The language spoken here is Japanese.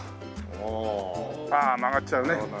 ああ曲がっちゃうね。